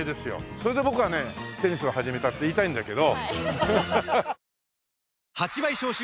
それで僕はテニスを始めたって言いたいんだけど。